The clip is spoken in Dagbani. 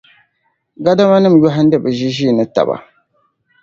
Gadamanima yɔhindi bɛ ʒiʒiinitaba.